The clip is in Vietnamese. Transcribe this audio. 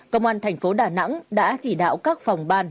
công an thành phố đà nẵng đã chỉ đạo các phòng ban